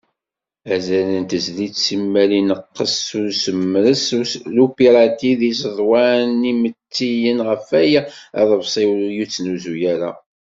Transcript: Azal n tezlit simmal ineqqes s usemres n upirati deg yiẓeḍwan inmettiyen, ɣef waya, aḍebsi ur yettnuzu ara.